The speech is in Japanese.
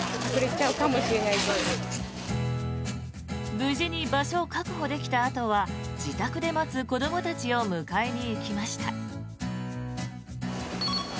無事に場所を確保できたあとは自宅で待つ子どもたちを迎えに行きました。